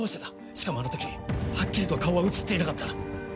しかもあの時はっきりとは顔は映っていなかった。